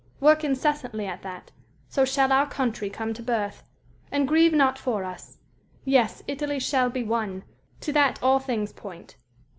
Work incessantly at that; so shall our country come to birth; and grieve not for us!... Yes, Italy shall be one! To that all things point.